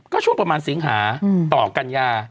ก็ช่วงประมาณสิงหาต่อกันยา